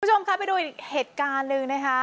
คุณผู้ชมคะไปดูอีกเหตุการณ์หนึ่งนะคะ